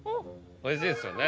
おいしいですよね。